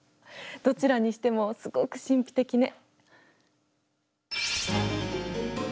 どちらにしてもすごく神秘的ね。